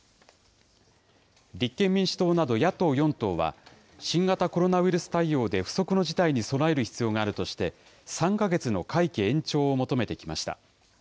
立憲民主党など野党４党は、新型コロナウイルス対応で不測の事態に備える必要があるとして、３か月の会期延長を求めてきました。